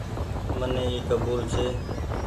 مني اي ڪبول ڇي ۔